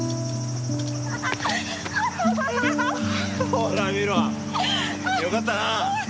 ほらみろよかったなぁ。